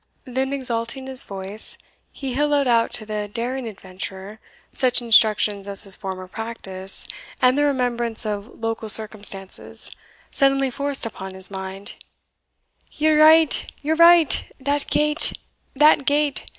Then, exalting his voice, he hilloa'd out to the daring adventurer such instructions as his former practice, and the remembrance of local circumstances, suddenly forced upon his mind: "Ye're right! ye're right! that gate that gate!